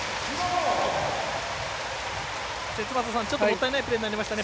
節政さん、ちょっともったいないプレーになりましたね